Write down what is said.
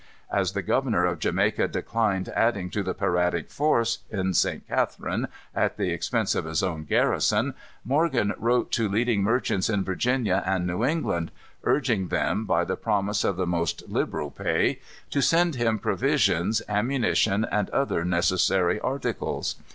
As the governor of Jamaica declined adding to the piratic force, in St. Catharine, at the expense of his own garrison, Morgan wrote to leading merchants in Virginia and New England, urging them, by the promise of the most liberal pay, to send him provisions, ammunition, and other necessary articles.